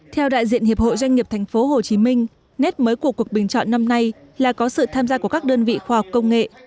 theo đại diện hiệp hội doanh nghiệp tp hcm nét mới của cuộc bình chọn năm nay là có sự tham gia của các đơn vị khoa học công nghệ